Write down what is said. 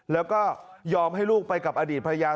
แล้วก็ยอมให้ลูกไปกับอดีตภรรยา